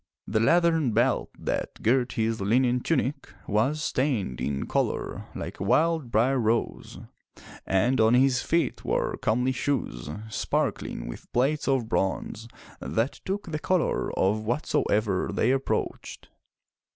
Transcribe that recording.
The leathern belt that girt his linen tunic was stained in color like a wild briar rose, and on his feet were comely shoes sparkling with plates of bronze that took the color of what soever they approached.